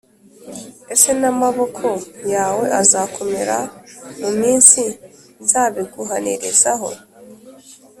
Ese n’amaboko yawe azakomera mu minsi nzabiguhaniraho?